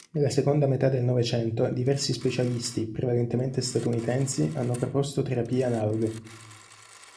Nella seconda metà del Novecento diversi specialisti, prevalentemente statunitensi, hanno proposto terapie analoghe.